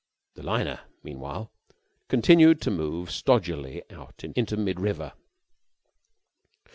The liner, meanwhile, continued to move stodgily out into mid river.